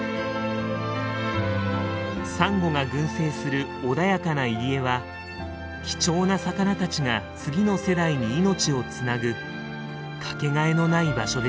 サンゴが群生する穏やかな入り江は貴重な魚たちが次の世代に命をつなぐ掛けがえのない場所でした。